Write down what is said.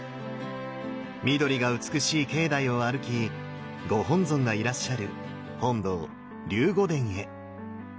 緑が美しい境内を歩きご本尊がいらっしゃる本堂龍護殿へ。